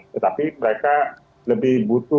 tetapi mereka lebih butuh